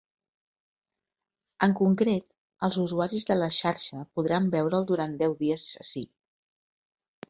En concret, els usuaris de la xarxa podran veure’l durant deu dies ací.